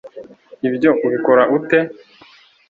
ibyo ubikora ute